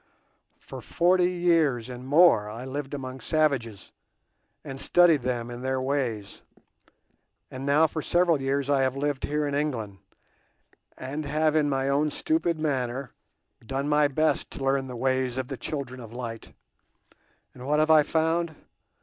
For forty years and more I lived among savages, and studied them and their ways; and now for several years I have lived here in England, and have in my own stupid manner done my best to learn the ways of the children of light; and what have I found?